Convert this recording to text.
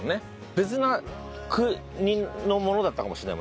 別な国のものだったかもしれないもんね